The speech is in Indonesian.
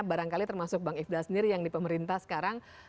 barangkali termasuk bang ifdal sendiri yang di pemerintah sekarang